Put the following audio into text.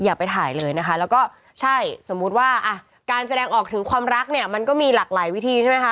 อย่าไปถ่ายเลยนะคะแล้วก็ใช่สมมุติว่าอ่ะการแสดงออกถึงความรักเนี่ยมันก็มีหลากหลายวิธีใช่ไหมคะ